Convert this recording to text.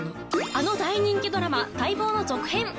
あの大人気ドラマ待望の続編！